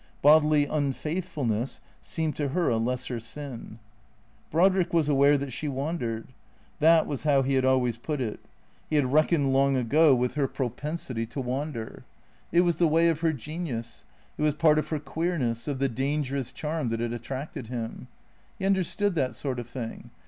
Bodily unfaitlifulness seemed to her a lesser sin. Brodrick was aware that she Avandercd. That was how he had always put it. He had reckoned long ago with her propen 347 348 THECEEATORS sity to wander. It was the way of her genius; it was part of her queerness, of the dangerous charm that had attracted him. He understood that sort of thing.